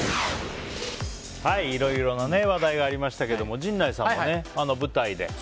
いろいろな話題がありましたけれども陣内さんもね、舞台で。